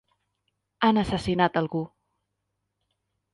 Han assassinat algú.